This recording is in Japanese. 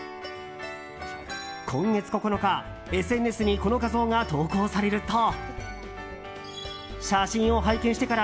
今月９日、ＳＮＳにこの画像が投稿されると。